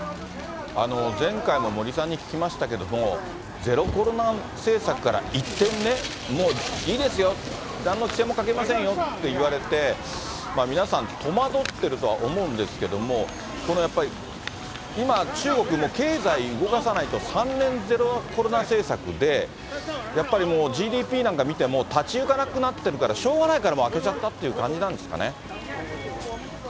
前回も森さんに聞きましたけれども、ゼロコロナ政策から一転ね、もういいですよ、なんの規制もかけませんよって言われて、皆さん戸惑ってるとは思うんですけれども、今、中国もう経済動かさないと、３年、ゼロコロナ政策で、やっぱりもう、ＧＤＰなんか見ても立ち行かなくなってるからしょうがないから、もうあけちゃったという感じなんですかね。